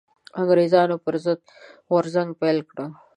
انګرېزانو پر ضد غورځنګ پيل کړ